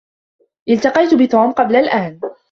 التقيت بتوم قبل الآن.